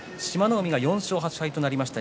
海は４勝８敗となりました